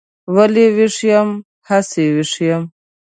ولې ویښ یم؟ هسې ویښ یم.